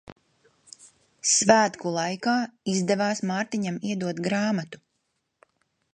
Svētku laikā izdevās Mārtiņam iedot grāmatu.